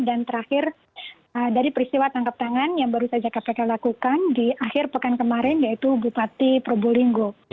dan terakhir dari peristiwa tangkap tangan yang baru saja kpk lakukan di akhir pekan kemarin yaitu bupati prubolinggo